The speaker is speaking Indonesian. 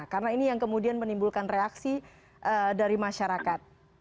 karena ini yang kemudian menimbulkan reaksi dari masyarakat